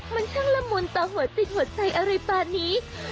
มันช่างละมุนต่อหัวจิตหัวใจอะไรป่านี้